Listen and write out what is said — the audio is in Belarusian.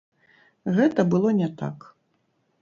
Гэта было не так.